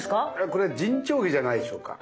これ沈丁花じゃないでしょうか。